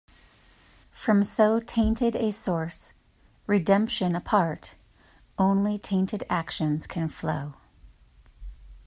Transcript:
From so tainted a source, Redemption apart, only tainted actions can flow.